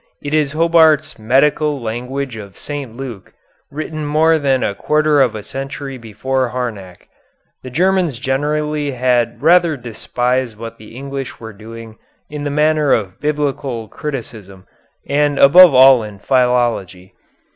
It is Hobart's "Medical Language of St. Luke," written more than a quarter of a century before Harnack. The Germans generally had rather despised what the English were doing in the matter of biblical criticism, and above all in philology.